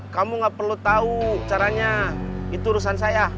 kamu gak perlu tahu caranya itu urusan saya